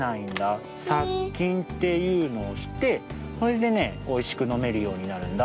さっきんっていうのをしてそれでねおいしくのめるようになるんだ。